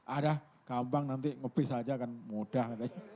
aduh gampang nanti nge biz aja kan mudah